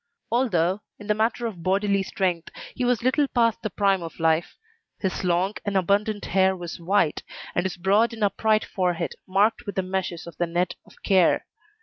Although, in the matter of bodily strength, he was little past the prime of life, his long and abundant hair was white, and his broad and upright forehead marked with the meshes of the net of care.